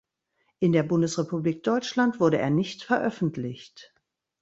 In der Bundesrepublik Deutschland wurde er nicht veröffentlicht.